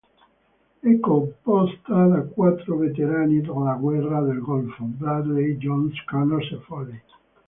È composta da quattro veterani della guerra del Golfo: Bradley, Jones, Connors e Foley.